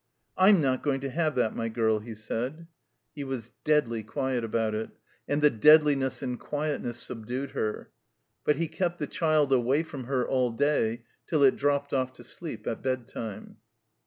"I'm not going to have that, my ©rl," he said. 202 THE COMBINED MAZE He was deadly quiet about it; and the deadliness and quietness subdued her. But he kept the child away from her all day till it dropped off to sleep at bedtime.